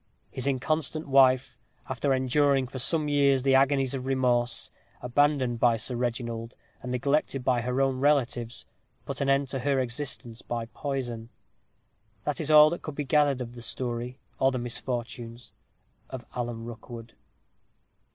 His inconstant wife, after enduring for some years the agonies of remorse, abandoned by Sir Reginald, and neglected by her own relatives, put an end to her existence by poison. This is all that could be gathered of the story, or the misfortunes of Alan Rookwood.